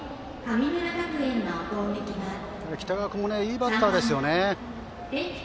北川君もいいバッターですよね。